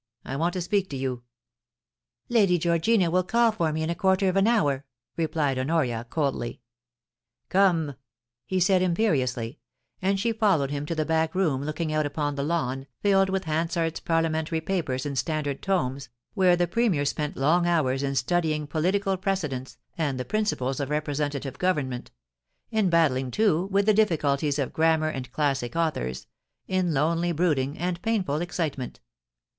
I want to speak to you.* * Lady Georgina will call for me in a quarter of an hour,* replied Honoria, coldly. * Come !' he said imperiously, and she followed him to the back room looking out upon the lawn, filled with Hansard's Parliamentary papers and standard tomes, where the Premier spent long hours in studying political pre cedents, and the principles of representative government; in battling, too, with the difficulties of grammar and classic authors ; in lonely brooding and painful excitement.